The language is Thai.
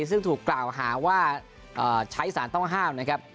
ซึ่งถูกกล่าวหาว่าใช้สารต้องห้ามนะครับ